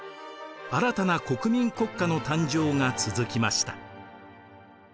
新たな国民国家の誕生が続きました。